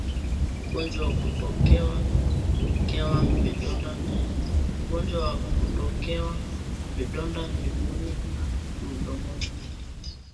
Ugonjwa wa kutokewa vidonda miguuni na mdomoni